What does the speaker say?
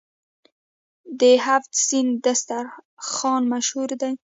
د هفت سین دسترخان مشهور دی.